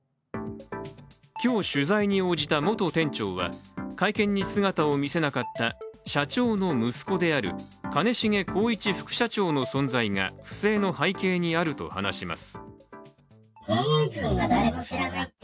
今日取材に応じた元店長は会見に姿を見せなかった社長の息子である兼重宏一副社長の存在が不正の背景にあると話します。